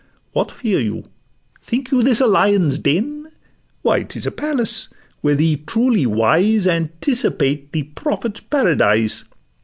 What fear you? think you this a lion's den? Why, 'tis a palace; where the truly wise Anticipate the Prophet's paradise.